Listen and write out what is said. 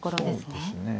そうですね。